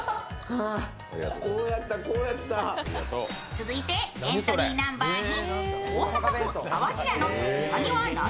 続いてエントリーナンバー２。